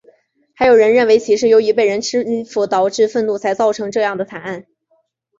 还有人认为其是由于被人欺负导致愤怒才造成这样的惨案。